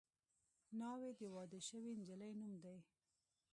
ناوې د واده شوې نجلۍ نوم دی